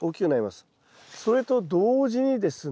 それと同時にですね